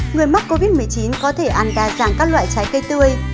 người mắc covid một mươi chín có thể ăn đa dạng các loại trái cây tươi